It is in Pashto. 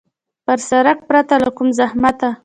پر سړک پرته له کوم مزاحمته.